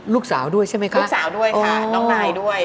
ลูกสาวด้วยใช่ไหมคะลูกสาวด้วยค่ะน้องนายด้วย